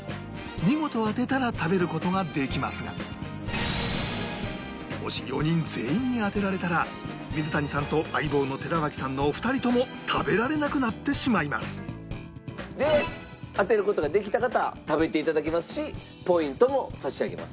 見事当てたら食べる事ができますがもし４人全員に当てられたら水谷さんと相棒の寺脇さんのお二人とも食べられなくなってしまいますで当てる事ができた方食べて頂けますしポイントも差し上げます。